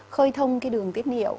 khơi thông cái đường tiết niệu